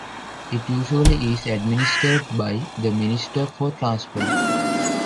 It usually is administered by the Minister for Transport.